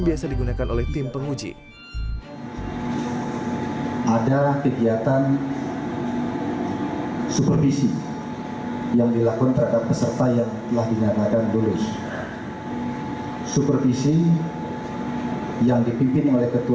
mungkin rekan rekan media